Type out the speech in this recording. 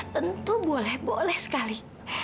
tentu boleh boleh sekali